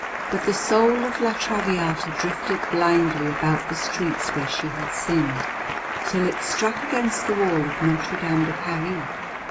But the soul of La Traviata drifted blindly about the streets where she had sinned till it struck against the wall of Notre Dame de Paris.